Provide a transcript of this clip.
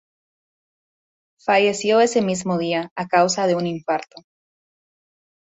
Falleció ese mismo día, a causa de un infarto.